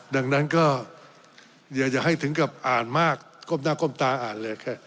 ดังนั้นก็อย่าให้ถึงกับอ่านมากก้มหน้าก้มตาอ่านเลยแค่